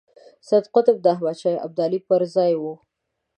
سید قطب د احمد شاه ابدالي پر ځای وو.